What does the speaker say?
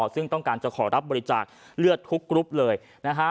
ซึ่งต้องการจะขอรับบริจาคเลือดทุกกรุ๊ปเลยนะฮะ